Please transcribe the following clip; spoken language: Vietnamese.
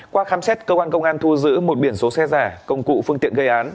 qua khám xét cơ quan công an thu giữ một biển số xe giả công cụ phương tiện gây án